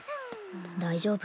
大丈夫